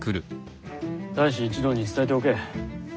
隊士一同に伝えておけ。